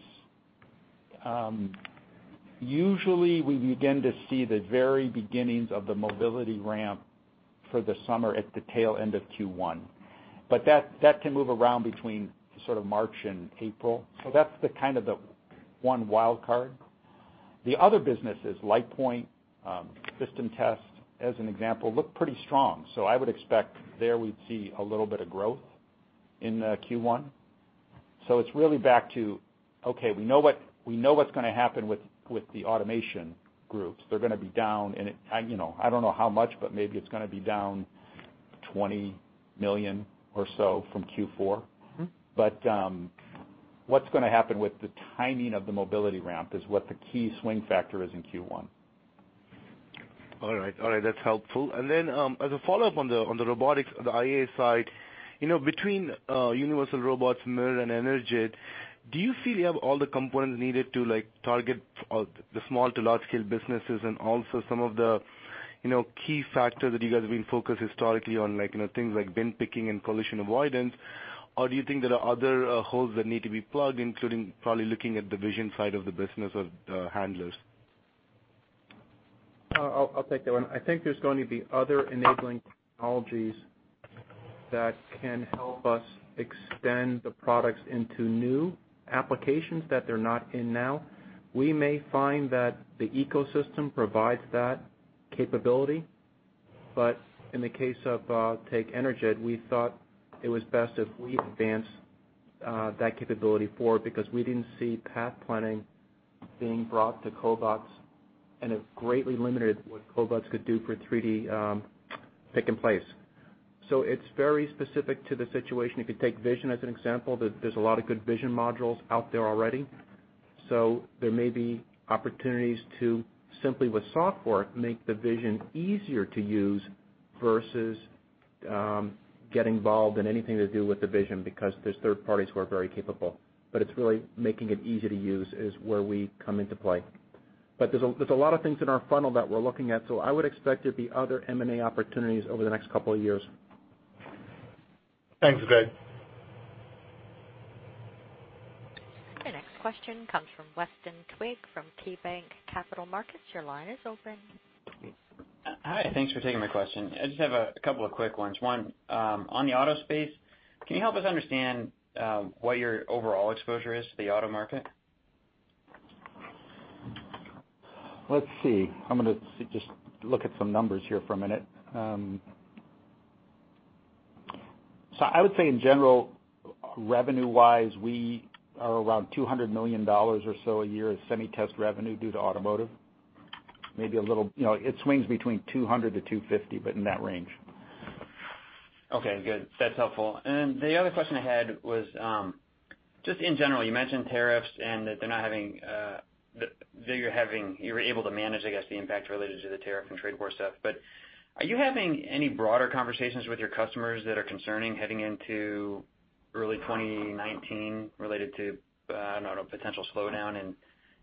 usually we begin to see the very beginnings of the mobility ramp for the summer at the tail end of Q1. That can move around between sort of March and April. That's the kind of the one wild card. The other business is LitePoint. System test, as an example, looked pretty strong. I would expect there we'd see a little bit of growth in Q1. It's really back to, okay, we know what's going to happen with the automation groups. They're going to be down, and I don't know how much, but maybe it's going to be down $20 million or so from Q4. What's going to happen with the timing of the mobility ramp is what the key swing factor is in Q1. All right. That's helpful. Then, as a follow-up on the robotics, the IA side, between Universal Robots, MiR, and Energid, do you feel you have all the components needed to target the small to large scale businesses and also some of the key factors that you guys have been focused historically on, like things like bin picking and collision avoidance? Do you think there are other holes that need to be plugged, including probably looking at the vision side of the business of handlers? I'll take that one. I think there's going to be other enabling technologies that can help us extend the products into new applications that they're not in now. We may find that the ecosystem provides that capability. In the case of, take Energid, we thought it was best if we advance that capability forward, because we didn't see path planning being brought to cobots and it greatly limited what cobots could do for 3D pick and place. It's very specific to the situation. If you take vision as an example, there's a lot of good vision modules out there already. There may be opportunities to simply with software, make the vision easier to use versus get involved in anything to do with the vision because there's third parties who are very capable. It's really making it easy to use is where we come into play. There's a lot of things in our funnel that we're looking at. I would expect there'd be other M&A opportunities over the next couple of years. Thanks, Greg. The next question comes from Weston Twigg from KeyBanc Capital Markets. Your line is open. Hi. Thanks for taking my question. I just have a couple of quick ones. One, on the auto space, can you help us understand what your overall exposure is to the auto market? Let's see. I'm going to just look at some numbers here for a minute. I would say in general, revenue-wise, we are around $200 million or so a year of semi test revenue due to automotive. It swings between $200-$250, but in that range. Okay, good. That's helpful. The other question I had was, just in general, you mentioned tariffs and that you're able to manage, I guess, the impact related to the tariff and trade war stuff. Are you having any broader conversations with your customers that are concerning heading into early 2019 related to, I don't know, potential slowdown in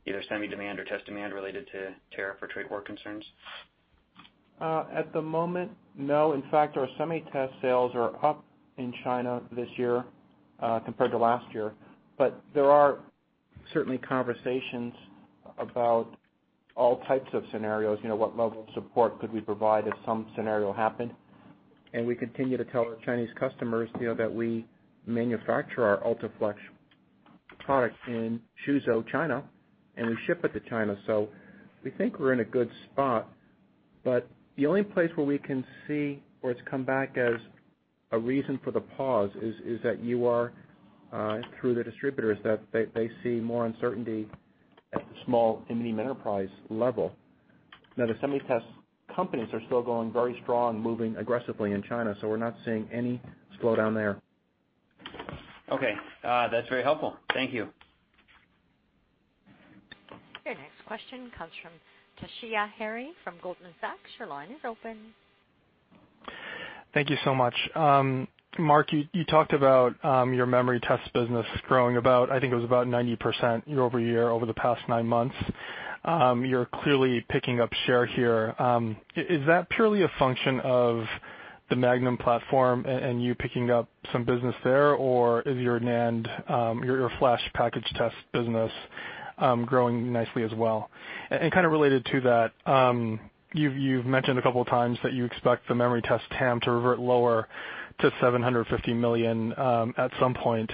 either semi demand or test demand related to tariff or trade war concerns? At the moment, no. In fact, our semi test sales are up in China this year, compared to last year. There are certainly conversations about all types of scenarios. What level of support could we provide if some scenario happened? We continue to tell our Chinese customers that we manufacture our UltraFLEX product in Suzhou, China, and we ship it to China. We think we're in a good spot, but the only place where we can see where it's come back as a reason for the pause is that you are, through the distributors, that they see more uncertainty at the small and medium enterprise level. The semi test companies are still going very strong, moving aggressively in China, we're not seeing any slowdown there. Okay. That's very helpful. Thank you. Your next question comes from Toshiya Hari from Goldman Sachs. Your line is open. Thank you so much. Mark, you talked about your memory test business growing about, I think it was about 90% year-over-year over the past nine months. You're clearly picking up share here. Is that purely a function of the Magnum platform and you picking up some business there, or is your NAND, your flash package test business, growing nicely as well? Kind of related to that, you've mentioned a couple of times that you expect the memory test TAM to revert lower to $750 million at some point.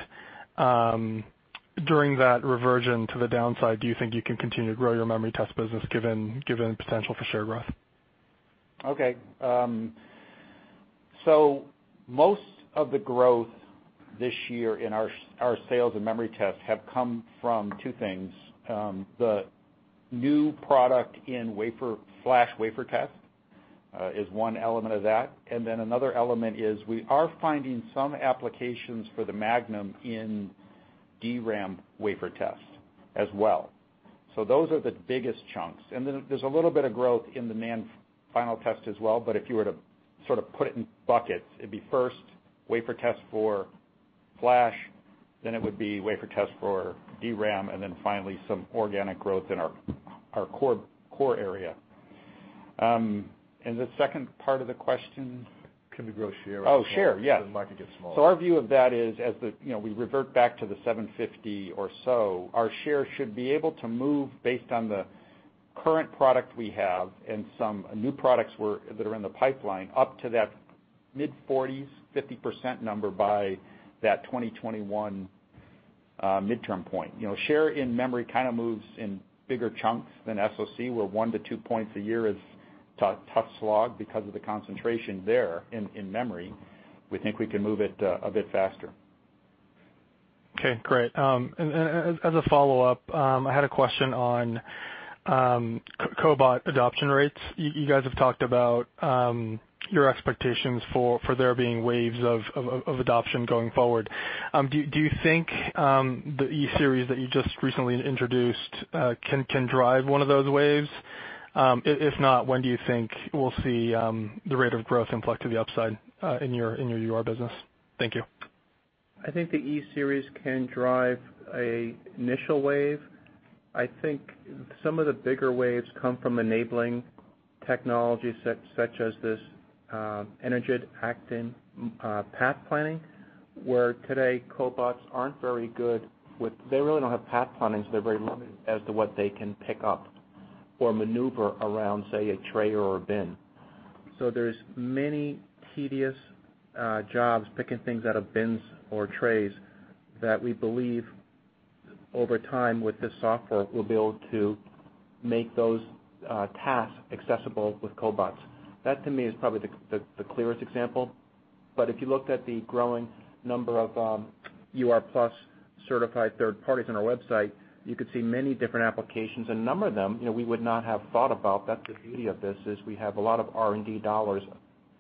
During that reversion to the downside, do you think you can continue to grow your memory test business given the potential for share growth? Most of the growth this year in our sales and memory test have come from two things. The new product in wafer, Flash wafer test, is one element of that, another element is we are finding some applications for the Magnum in DRAM wafer test as well. Those are the biggest chunks. There's a little bit of growth in the NAND final test as well, but if you were to sort of put it in buckets, it would be first wafer test for Flash, it would be wafer test for DRAM, finally some organic growth in our core area. The second part of the question? Can we grow share- Share. Yes. as the market gets smaller. Our view of that is, as we revert back to the 750 or so, our share should be able to move based on the current product we have and some new products that are in the pipeline up to that mid-40s, 50% number by that 2021 midterm point. Share in memory kind of moves in bigger chunks than SOC, where one to two points a year is tough slog because of the concentration there in memory. We think we can move it a bit faster. Okay, great. As a follow-up, I had a question on cobot adoption rates. You guys have talked about your expectations for there being waves of adoption going forward. Do you think the e-Series that you just recently introduced can drive one of those waves? If not, when do you think we'll see the rate of growth inflection to the upside in your UR business? Thank you. I think the e-Series can drive an initial wave. I think some of the bigger waves come from enabling technologies such as this Energid Actin path planning, where today cobots aren't very good with, they really don't have path planning, so they're very limited as to what they can pick up or maneuver around, say, a tray or a bin. There's many tedious jobs, picking things out of bins or trays that we believe Over time with this software, we'll be able to make those tasks accessible with cobots. That to me is probably the clearest example, but if you looked at the growing number of UR+ certified third parties on our website, you could see many different applications, a number of them we would not have thought about. That's the beauty of this, is we have a lot of R&D dollars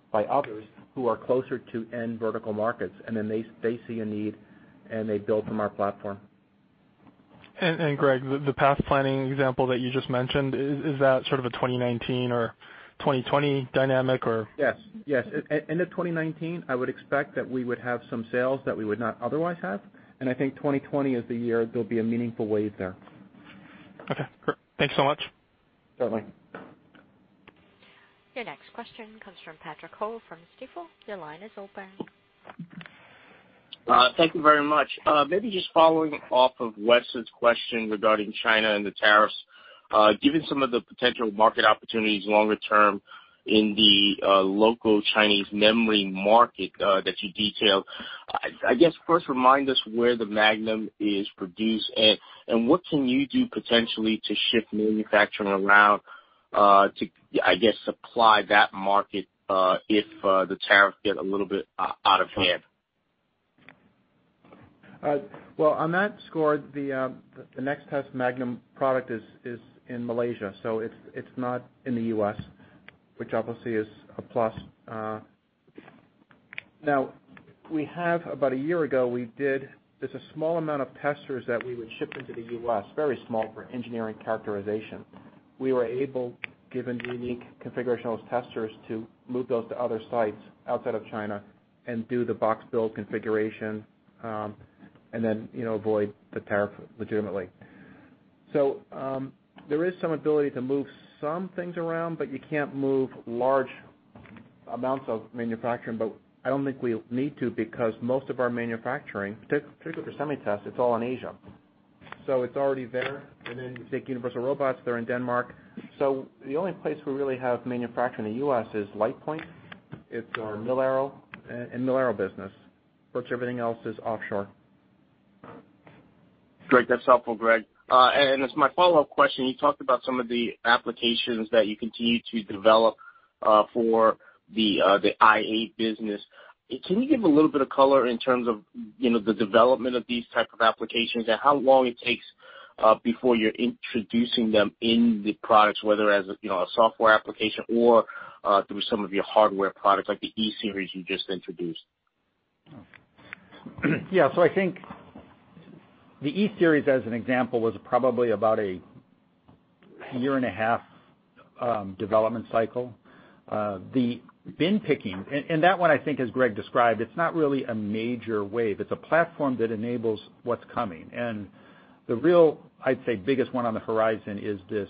by others who are closer to end vertical markets, and then they see a need and they build from our platform. Greg, the path planning example that you just mentioned, is that sort of a 2019 or 2020 dynamic? Yes. End of 2019, I would expect that we would have some sales that we would not otherwise have, and I think 2020 is the year there'll be a meaningful wave there. Okay, great. Thanks so much. Certainly. Your next question comes from Patrick Ho from Stifel. Your line is open. Thank you very much. Maybe just following off of Wes' question regarding China and the tariffs. Given some of the potential market opportunities longer term in the local Chinese memory market that you detailed, I guess first remind us where the Magnum is produced and what can you do potentially to shift manufacturing around, to, I guess, supply that market if the tariffs get a little bit out of hand? Well, on that score, the Nextest Magnum product is in Malaysia. It's not in the U.S., which obviously is a plus. Now, about a year ago, we did just a small amount of testers that we would ship into the U.S., very small, for engineering characterization. We were able, given the unique configuration of those testers, to move those to other sites outside of China and do the box build configuration, avoid the tariff legitimately. There is some ability to move some things around, but you can't move large amounts of manufacturing. I don't think we need to, because most of our manufacturing, particularly for SemiTest, it's all in Asia. You take Universal Robots, they're in Denmark. The only place we really have manufacturing in the U.S. is LitePoint. It's our MilAero business. Virtually everything else is offshore. Great. That's helpful, Greg. As my follow-up question, you talked about some of the applications that you continue to develop for the IA business. Can you give a little bit of color in terms of the development of these type of applications and how long it takes before you're introducing them in the products, whether as a software application or through some of your hardware products like the e-Series you just introduced? Yeah. I think the e-Series, as an example, was probably about a year and a half development cycle. The bin picking, that one I think as Greg described, it's not really a major wave. It's a platform that enables what's coming. The real, I'd say, biggest one on the horizon is this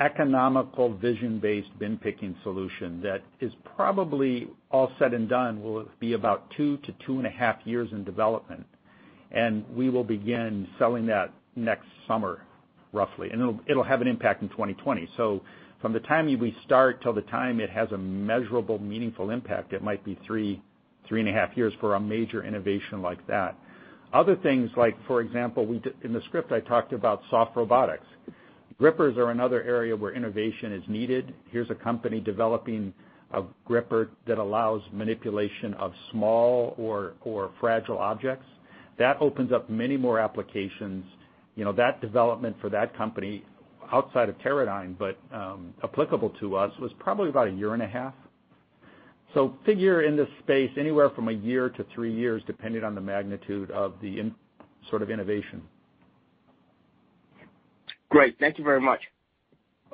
economical, vision-based bin picking solution that is probably, all said and done, will be about two to two and a half years in development. We will begin selling that next summer, roughly, and it'll have an impact in 2020. From the time we start till the time it has a measurable, meaningful impact, it might be three and a half years for a major innovation like that. Other things like, for example, in the script I talked about Soft Robotics. Grippers are another area where innovation is needed. Here's a company developing a gripper that allows manipulation of small or fragile objects. That opens up many more applications. That development for that company, outside of Teradyne, but applicable to us, was probably about a year and a half. Figure in this space anywhere from a year to three years, depending on the magnitude of the sort of innovation. Great. Thank you very much.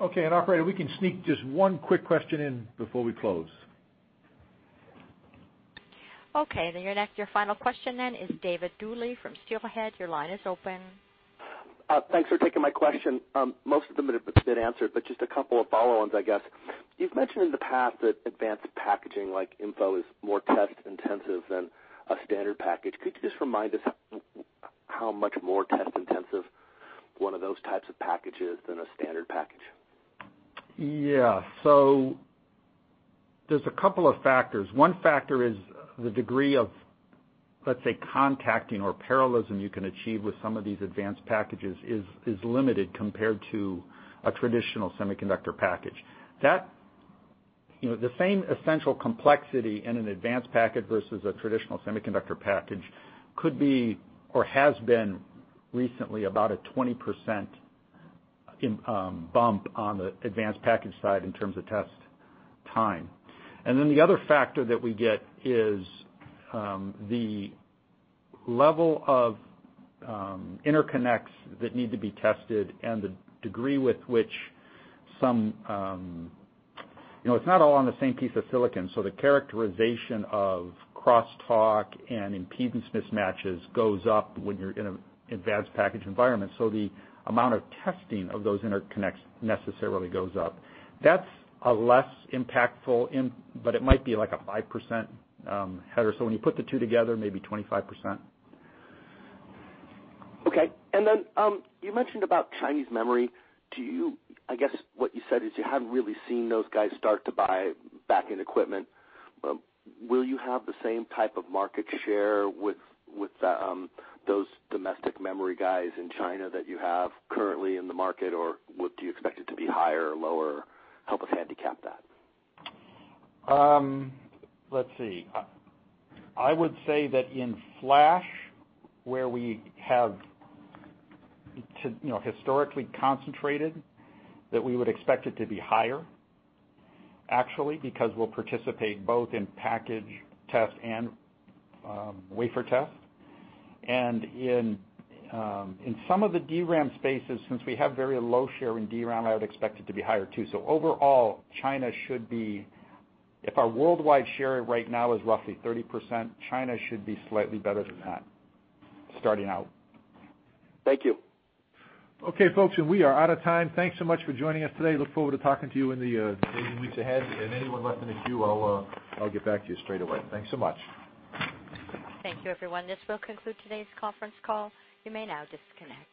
Okay, operator, we can sneak just one quick question in before we close. Your final question is David Dooley from Steelhead. Your line is open. Thanks for taking my question. Just a couple of follow-ons, I guess. You've mentioned in the past that advanced packaging like InFO is more test-intensive than a standard package. Could you just remind us how much more test-intensive one of those types of packages than a standard package? There's a couple of factors. One factor is the degree of, let's say, contacting or parallelism you can achieve with some of these advanced packages is limited compared to a traditional semiconductor package. The same essential complexity in an advanced package versus a traditional semiconductor package could be, or has been recently, about a 20% bump on the advanced package side in terms of test time. The other factor that we get is the level of interconnects that need to be tested and the degree with which It's not all on the same piece of silicon, so the characterization of crosstalk and impedance mismatches goes up when you're in an advanced package environment. The amount of testing of those interconnects necessarily goes up. That's less impactful, but it might be like a 5% header. When you put the two together, maybe 25%. You mentioned about Chinese memory. I guess what you said is you haven't really seen those guys start to buy back in equipment. Will you have the same type of market share with those domestic memory guys in China that you have currently in the market, or do you expect it to be higher or lower? Help us handicap that. Let's see. I would say that in flash, where we have historically concentrated, that we would expect it to be higher, actually, because we'll participate both in package test and wafer test. In some of the DRAM spaces, since we have very low share in DRAM, I would expect it to be higher, too. Overall, China should be, if our worldwide share right now is roughly 30%, China should be slightly better than that starting out. Thank you. Okay, folks, we are out of time. Thanks so much for joining us today. Look forward to talking to you in the days and weeks ahead. Anyone left in the queue, I'll get back to you straight away. Thanks so much. Thank you, everyone. This will conclude today's conference call. You may now disconnect.